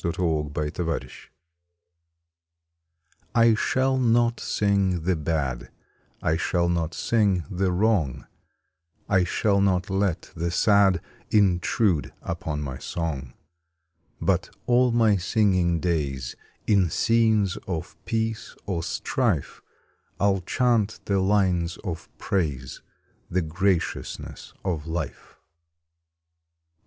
May Twenty seventh A RESOLVE T SHALL not sing the bad, I shall not sing the wrong, I shall not let the sad Intrude upon my song. But all my singing days In scenes of peace or strife I ll chant in lines of praise The graciousness of life.